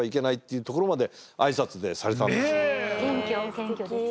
謙虚ですね。